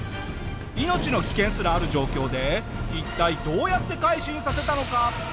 命の危険すらある状況で一体どうやって改心させたのか？